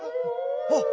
あっ！